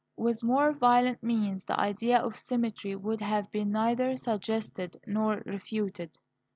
With more violent means the idea of symmetry would have been neither suggested nor refuted.